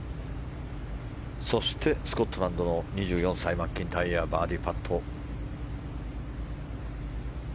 そしてスコットランドの２４歳マッキンタイヤバーディーパット。